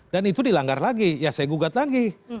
dan itu dilanggar lagi ya saya gugat lagi